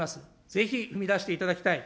ぜひ踏み出していただきたい。